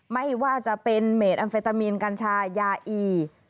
ไม่ว่าจะเป็นเมดแอมเฟตามีนกัญชายาอี